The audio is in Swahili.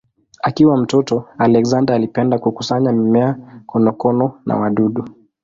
Akiwa mtoto Alexander alipenda kukusanya mimea, konokono na wadudu.